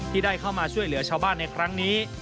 ที่ได้เข้ามาช่วยเหลือชาวบ้านในครั้งนี้